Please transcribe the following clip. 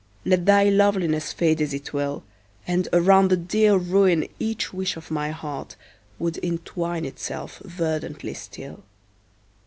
Let thy loveliness fade as it will. And around the dear ruin each wish of my heart Would entwine itself verdantly still.